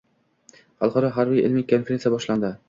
Xalqaro harbiy-ilmiy konferensiya boshlandi